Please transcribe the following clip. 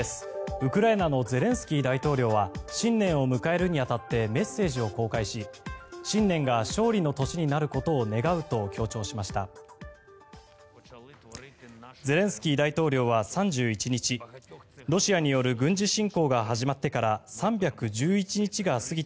ウクライナのゼレンスキー大統領は新年を迎えるに当たってメッセージを公開し新年が勝利の年になることを願うと強調しました。